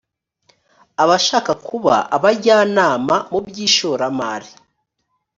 abashaka kuba abajyanama mu by ishoramari